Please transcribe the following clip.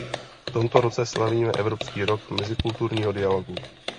V tomto roce slavíme Evropský rok mezikulturního dialogu.